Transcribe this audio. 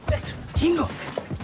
金吾！